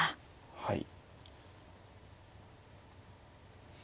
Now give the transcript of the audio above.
はい。